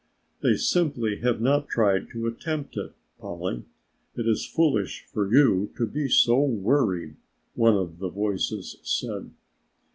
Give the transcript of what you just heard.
"They simply have not tried to attempt it, Polly; it is foolish for you to be so worried," one of the voices said.